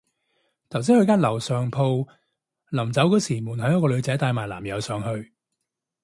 頭先去間樓上鋪，臨走嗰時門口有個女仔帶埋男友上去